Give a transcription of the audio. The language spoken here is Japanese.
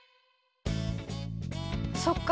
そっか。